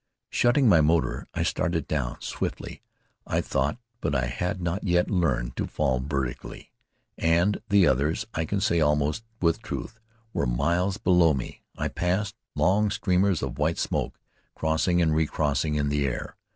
Shutting my motor, I started down, swiftly, I thought; but I had not yet learned to fall vertically, and the others I can say almost with truth were miles below me. I passed long streamers of white smoke, crossing and recrossing in the air.